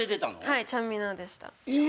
はいちゃんみなでした。